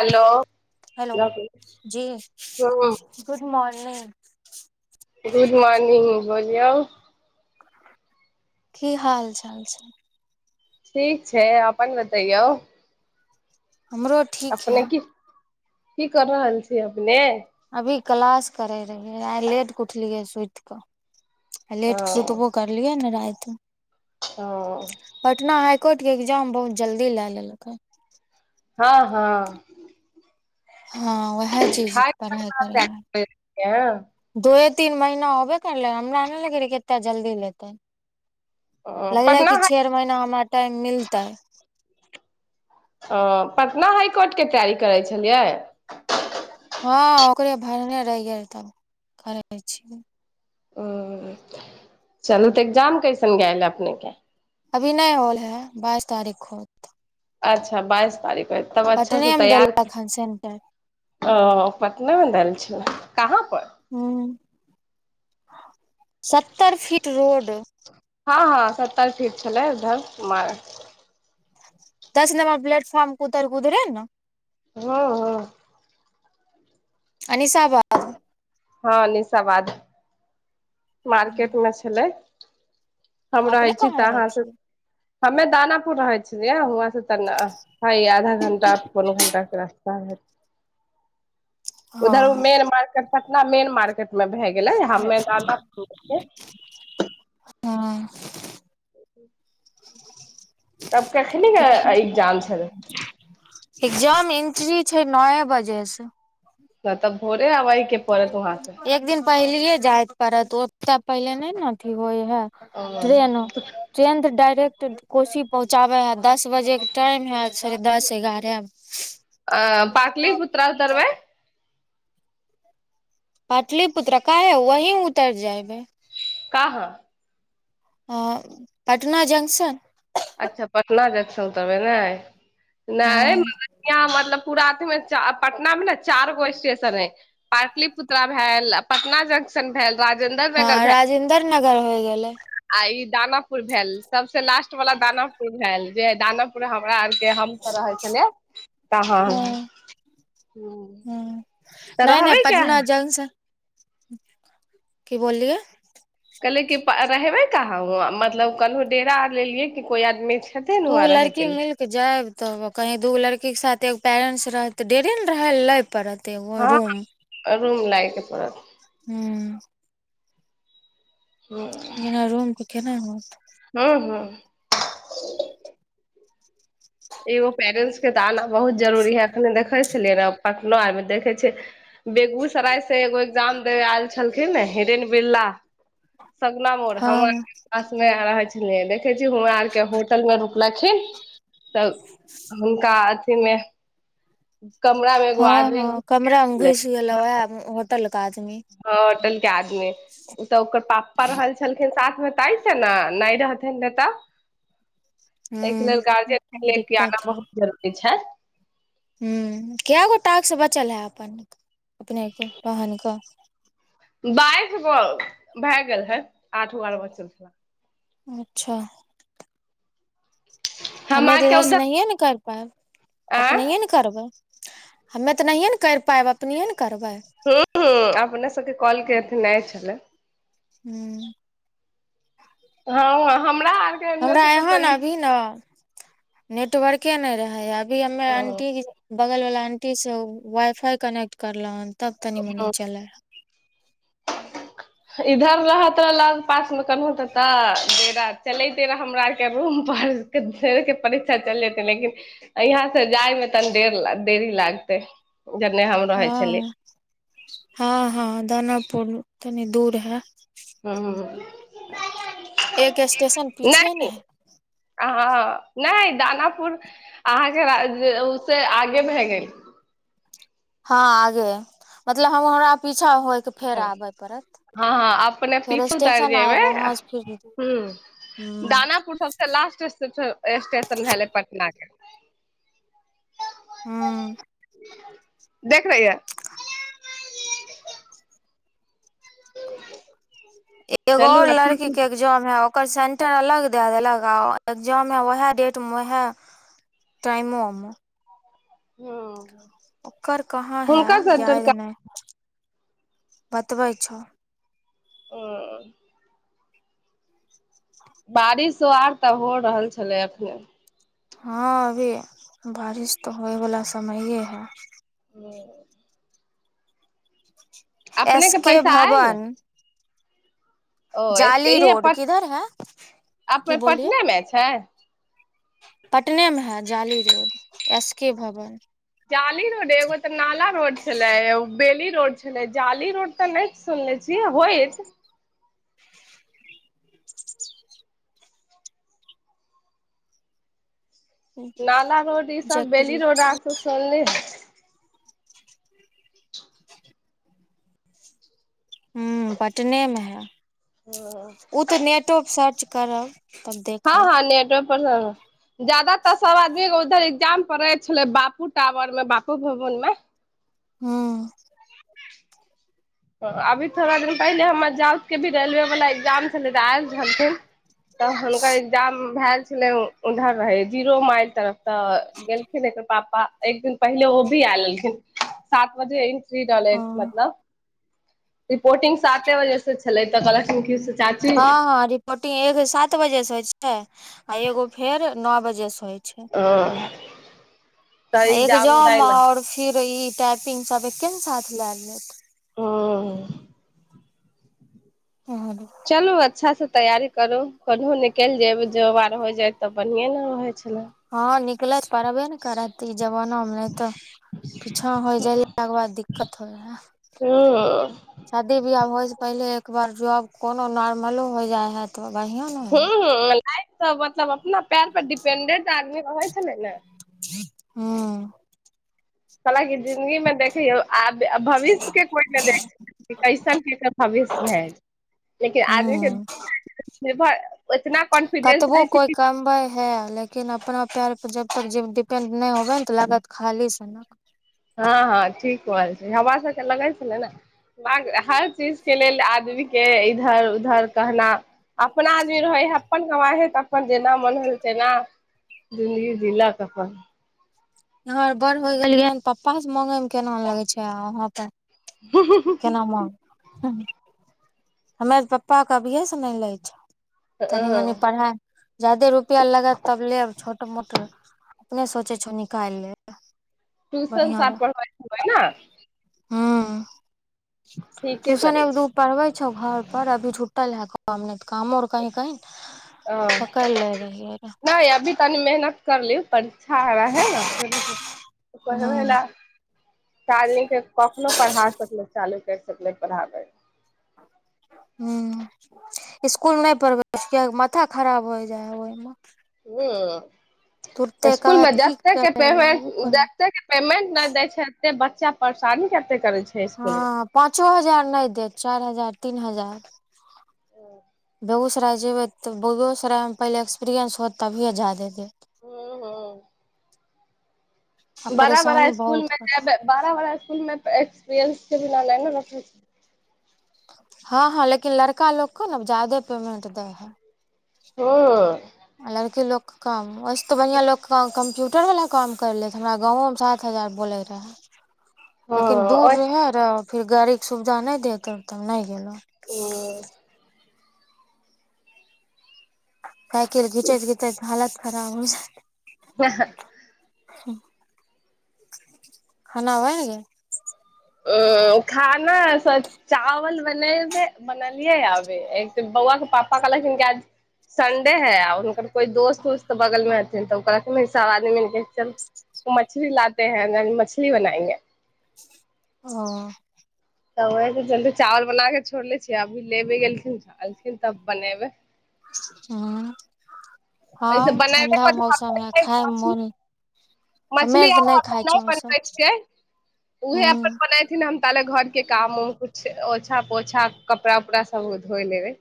Hello! Hello [unintelligible] जी ह good morning [unintelligible] good morning बोलियौ [inaudible] की हाल चाल छै? ठीक छै अपन बतैइयौ? हमरो ठीक है अपने की- की क रहल छी अपने? अभी क्लास करय रहियै आइ लेट क उठलियै सुइत कऽ आ ओ लेट क सुतबो करलियै ने राइत हं पटना हाइ कोर्ट के एग्जाम बहुत जल्दी लए लेलकय। हँ- हँ- हँ वएह चीज हाइ पढ़ाइ करैलय दूए तीन महीना होबे करलै हमरा नहि लगे रह कतेक जल्दी लेतै लगले कि पटना हाइ छेरमहीना हमरा टाइम मिलतै ओ पटना हाइ कोर्टके तैयारी करै छलियै? हँ ओकरे भरने रहियै त करै छीयै ह चलू तऽ एग्जाम कैसन गेल अपने के? अभी नहि होल है बाइस तारीख के होत। अच्छा बाइस तारीख के तब अच्छा स पटने मे तैयार देलक हन सेंटर ओ पटना मे देल छै, कहाँ पर? हूँ सत्तर फीट रोड हां- हां सत्तर फीट छले उधर कुमार दस नमर प्लेटफार्म कुतर कर उधरे न - हां- हां- अनिशावाद हां अनिशाबाद मार्केट मे छलय, हम रहय अपने छी कहाँ त रहै अहाँ सब छियै हमे दानापुर रहे छलये हुआं से तना हा इ आधा घण्टा पौन घण्टा के रास्ता हेत। हँ उधर ऊ main market Patna main market मे भए गेलय, हमें दाना के- हं- [unintelligible] [unintelligible] तब कखनी के एग्गजाम छलय? एक्जाम एंट्री छै नए बजे स जा त भोरे आब एक दिन पहिलेये जाय पड़त ओत पहिले नय ने अथी होइ है ट्रेन ट्रेन त डायरेक्ट कोशी पहुँचाबे है दस बजे के टाइम है साढ़े दस एगारह आ-पाटलिपुत्रा स उतरवय? पाटलिपुत्रा काहे वहीं उतैर जायबे। कहाँ? हां ओ पटना जंक्शन अच्छा पटना जक्शन उतरबे नय, नय हँ मतलब की पूरा अथी मे- पटना मे ने चार गो स्टेशन हय पाटलिपुत्रा भेल, पटना जंक्शन भेल राजेन्द्र नगर हां भेल राजेन्द्र नगर होइ गेलै। आ ई दानापुर भेल, सबसे लास्ट वाला दानापुर भेल, जे दानापुर हमरा के हम त रहल छलियै तहाँ हूँ, तऽ नै नै रहबै क्या पटना जंक्शन जंक्शन। की बोललियै? कहलियै कि रहबे कहां मतलब कलहु डेरा आर लेलिये कि कोइ आदमी छथिन दू हुआँ रहैके लड़की लेल मिल जाएब त कहीं दूगो लड़की के साथ ऐगो पैरेन्ट्स रहत त डेरे ने रहे ला पड़त ऐगो हँ रूम। रूम लायके पड़त। हूँ। हां। बिना रूम के केना होयत। हूँ हूँ। एगो पैरेंट्स के त आना बहुत जरूरी है ऐखन देखे छलिये ने कखनो आर मे देखे छै। बेगूसराय से एगो एग्जाम दे आयल छलखिन ने हिरेन बिड़ला सपना मोड़, हमर हँ पास मे रहे छले, देखे छी हमरा आर के होटल मे रुकलखिन। त हुनका अथि मे कमरा मे एगो हा आदमी हा कमरा मे घुस गेल होटल के आदमी हां होटल के आदमी। इ सबके ओकर पापा रहल छलखिन साथमे तइ से ने नहि रहथिन ने तब। ह एहि के लेल गार्जियन के ल लेल कि आाना दिक्कत बहुत जरूरी छै। हूँ कए गो टास्क बचल है अपन अपनेके बहनकऽ। बाइस गो भए गेल हे आठ गो आर बचल छै। अच्छा। हम हमे तऽ अहाँके इधर से उधर नहिए ने कर पायब आ अपनहिए ह ने। करबै, हमे तऽ नहिए ने करि पायब अपनहिये ने करबै। हूँ हूँ अपने सबके कॉल के अथि नहि छलै। हूँ। हँ हमरा आर। हमरा यहाँ ने अभी ने नेटवर्के नहि रहै अभी हमे आंटी। बगल वला आंटी से वाई फाई कनेक्ट करलो हन तब तनी मनी चलल ह। [inaudible] इधर रहत रह लग पास मे कने तऽ डेरा चलैऐते रह हमरा आर के रूम पर। धरि के परीक्षा चल जेतै लेकिन। यहाँ से जायमे तनि देर देरी लगतै। ओकरा नहाय मे। हँ हँ हँ दानापुर तनी दूर है। ह एक स्टेशन पीछे ने है। आँ हँ नहि दानापुर। अहाँके से आगे भए गेल। हँ आगे हय, मतलब हम हमरा पीछा होके। हँ हँ अपने फेर पीछु उतर स्टेशन आयब जेबै, वहाँ से फिर हुं। हूँ दानापुर सबसे लास्ट स्टेशन भेलै पटना के। हूँ देख रही है। [unintelligible] एगो चलू अउर अच्छा लड़की के एग्जाम है ओकर सेंटर अलग दे देलक आ एग्जाम ओहे डेट मे ओहे। टाइमो मऽ हूँ। ओकर कहाँ है याद नहि बतबै छ। हूँ। बारिशो आर तऽ हो रहल छलै अखने। हँ अभी बारिश तऽ होइवला समये है। हूँ। [unintelligible] अपने एस के पैसा आयल ने भवन। ओ एस जाली केहे रोड अपन किधर है की अपने बोलिए पटनेमे छै। पटनेमे हइ जाली रोड एस के भवन। जाली रोड एगो तऽ नाला रोड छलै एगो बेली रोड छलै जाली रोड तऽ नहि। सुनने छी होयत। नाला रोड ई सब बेली जकरी रोड आर सब सुनलीहे। हूँ पटनेमे है ह ओ तऽ नेटो पर सर्च करब। तब हँ देखब हँ नेटवर्क पर जादा तऽ सब आदमी। इधर एग्जाम पड़े छले बापू टावर मे बापू भवन में। हूँ। [unintelligible] अभी थोड़ा दिन पहिले हमर जाउत के भी रेलवे वला एग्जाम छलै तऽ आयल छलथिन। तऽ हुनकर एग्जाम भेल छलै उधर रहै जीरो माइल तरफ तऽ गेल। पाप्पा एक दिन पहिले ओ भी आय लेलखिन सात बजे इंट्री ओ रहलै मतलब रिपोर्टिंग साते बजे से छलै तऽ कलेक्शन क्य हँ हँ। मीटिंग एक सात बजेसँ होइ छै आ एगो फेर नौ बजेसँ होइ छै, हँ। एग्जाम आओर फिर ई टाइपिंग सभ एके ने साथ लए लेत। ह। ह। चलू अच्छासँ तैयारी करू कोनहु निकलि जेबै जँ आर हो जाए तऽ बढ़ियैने रहइ छलै। हँ, निकलत परबै ने करत। तऽ ई जमानामे नहि तऽ पीछाँ होइ जेलाके बाद दिक्कत होइ हइ, ह। शादी बियाह होइ से पहिले एक बार जब कोनो नॉर्मलो हो जाइ हइ तऽ बढयाँ- ह हं लाइ त मतलब अपना पैर पर डिपेंडेंट आदमी रहै छै ने ने हँ। सला के जिंदगी मैं देखियो आब भविष्य के कोइयो ने देखलकै कइसन के त भविष्य भेल लेकिन आदमीके हूँ निर्भर इतना कॉन्फिडेन्स रहै छै, की हैं, लेकिन अपना पैर पर जबतक जे डिपेंड नहि होबैन तऽ लागत खाली सनक। हँ-हँ, ठीक रहल छै हवा सब त लगै छलै ने बाग हर चीज के लेल आदमी के इधर उधर कहना अपना आदमी रहै हैय, अपन कवाइ हइ, तऽ अपन जेना मन होल तेना जिन्दगी जिलक अपन। हर बड़ होय गेलियै हैं, पप्पा स मांगऽ मे केना लगै छै आब हुआं पे हु-हु-हु। केना मांग, हं हमर पप्पा क अभिये से नहि लै छै। ह तनी मनी परहाइ जादे रुपआ लागत तब लेब छोट मोट अपने सोचे छौ निकालि ले। ट्यूशन साथ परहबै [unintelligible] न। हुम्म, ठीके टूशन करै एक दू छै पढ़बै छौ घर पर, अभी झुट्टल है [unintelligible] कामों कहीं कहीं, ह पकैड़ ले रहियै। नहि अभी तनी मेहनत करलीव, परीक्षा है रहे न? परहवैइ हूँ लैऽ ताली के कखनो पढ़ा सकलै चालू कर सकले पढ़ाबे हम्म, इस्कुल नहि पढ़बै, किए माथा खराब भ जाइ हैइ ओहिमे हम्म, तुरते इस्कुल मे कहत की जते के करै ले पेंमेंट ओ करै जते के पेमेंट नहि देय छै, ओते बच्चा परेशानी कते करे छै इसकुल मे? हँ पाँचो हजार नहि देत, चारि हजार तीन हजार बेगूसराय जेबय तऽ, बेगूसरायमे पहिले एक्सपीरियेन्स होत तभिए जाय देत हूं-हूं। आ बड़ा बड़ा परेशानी इस्कुल बहुत कर में, बड़ा बड़ा इस्कुल में एक्सपीरियंस के बिना नै न राखै हँ-हँ, लेकिन लड़का लोक के न जादे पेमेन्ट दै हइ। हुंम्म। आ लड़की लोकके कम, वैसऽ तऽ बढ़िआँ लोक कम्प्यूटर वला काम करि लैत। हमरा गाँवोमे सात हजार बोलै रहाऽ। लेकिन दूर हूँ रहे र फिर गाड़ी के सुविधा नहि देत तब नहि गेलौं हुम्म। साइकिल घीचैत घीचैत हालत खराब हो जैत। हऽ-हैऽ खाना बैन गेल? अऽ खाना स चावल बनेबे बनलियै आबै, एक तऽ बौआके पापा कहलखिन आज संडे है, आ हुनकर कोइ दोस्त उस्त बगलमे हथिन तऽ ओ कहलखिन सब आदमी मिलके चल, मछली लाते हैं मछली बनाएंगे। हॅं। तऽ ओहि के चलते चावल बना के छोड़ले छियै, अभी लेबे गेलखिन एलथिन तब बनेबे। हँ। अई स हँ बनैएबे ठण्डा कथी मौसम है [unintelligible] खायमे मछली? मोन हमे मछली तऽ आर हम खाइ नहि छियै ओसभ बनबै छियै, उहे हूँ अपन बनाइ थिन हम ताले घर के काम-उम, कुछ ओछा पोछा, कपड़ा उपड़ा सब धोई लेबै।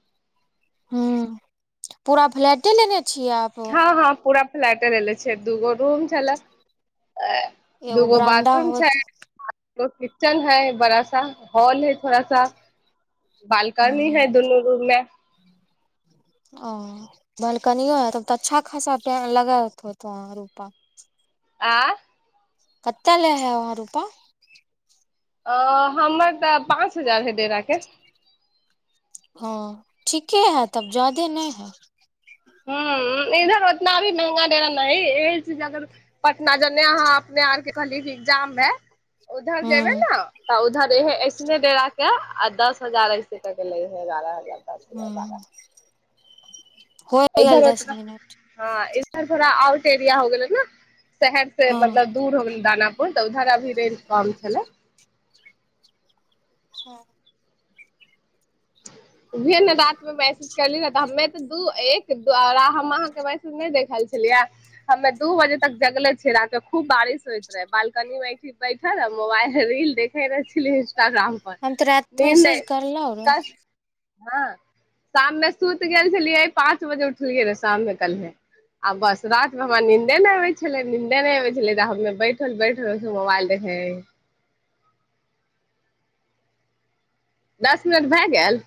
हूँम्म, पुरा फ्लैटे लेने छियै आप? हँ-हँ, पूरा फ्लैटे लेले छीयै, दूगो रूम छलैऽ अ एगो दूगो बरामदा बाथरूम छै, होत आ एगो किचन है बड़ा सा, हॉल है थोड़ा सा। हूँ बालकनी हूँ है दुनू रूम में। ओ बालकनियो है, तब तऽ अच्छा खासा पए लगैत होतै रूपा। आँए। कते ले है वहाँ रूपा। अ हमर तऽ पाँच हजार हय डेराके। हँ ठीके हऽ तब जादे नहि हऽ। हूँ, इधर उतना भी महंगा डेरा नहि, एहि से जाकर। पटना जने अहाँ अपने आर के कहलिय एगजाम में, उधर जेबे हूँ नऽ। तऽ उधर एहे ऐसने डेरा के आ दस हजार ऐसे कऽ के लै हे, एगारह हजार। दस हजार हूँ। बारह हो इधर गेल दस ओतना, मिनट हँ इधर थोड़ा आउट एरिया हो गेलै ने शहर से हँ मतलब। दूर हो गेलै दानापुर तऽ उधर अभी रेन्ट कम छलै। हँ। उहे न रात में मैसेज कैली न तऽ हम्मे। दू-एक द्वारा हम अहाँके मैसज नहि देखल छलियै। हमे दू बजे तक जगले छीय रात में, खूब बारिश होइत रहे बालकनी में। बैठल आ मोबाइल रील देखे रहे। इन्स्टाग्राम पर, हम तऽ राति इ नहि। मैसेज करलौ रे हँ शाम में सुइत गेल छलियै, पाँच बजे उठलियै रह शाम में कल्हे। आ बस रात में हमरा नीन्दे नहि होय छलै, नीन्दे नहि होय छलै, त हमे बैठल बैठ। मोबइल देखे है। दस मिनट भए गेल।